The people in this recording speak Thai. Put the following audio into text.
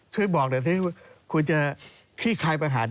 ช่วยบอกนะครับว่าคุณจะคิดใครไปฮะ